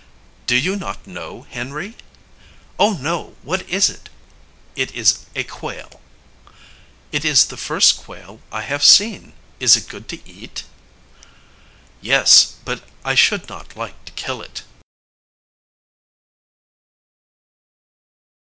"Do you not know, Henry?" "Oh, no! what is it?" "It is a quail." "It is the first quail I have seen. Is it good to eat?" "Yes; but I should not like to kill it."